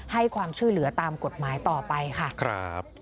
เหลือตามกฎหมายต่อไปค่ะ